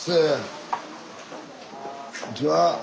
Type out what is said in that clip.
こんにちは。